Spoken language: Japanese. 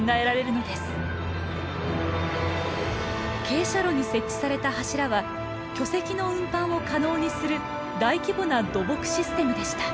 傾斜路に設置された柱は巨石の運搬を可能にする大規模な土木システムでした。